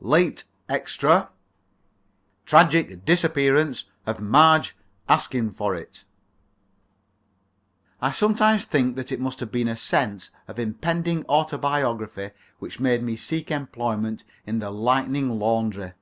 LATE EXTRA TRAGIC DISAPPEARANCE OF MARGE ASKINFORIT I sometimes think that it must have been a sense of impending autobiography which made me seek employment in the Lightning Laundry.